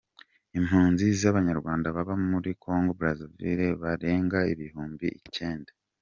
Impunzi z'abanywaranda baba muri Congo Brazaville barenga ibihumbi icenda.